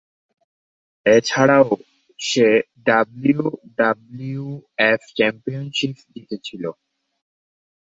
এছাড়াও সে WWF championship জিতেছিলেন।